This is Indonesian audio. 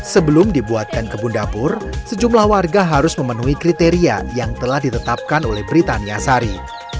sebelum dibuatkan kebun dapur sejumlah warga harus memenuhi kriteria yang telah ditetapkan oleh britania sari